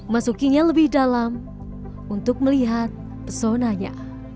masukinya lebih dalam untuk melihat pesonanya